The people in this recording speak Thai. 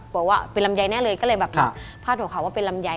บอกว่าเป็นลำไยแน่เลยก็เลยแบบพาดหัวข่าวว่าเป็นลำไย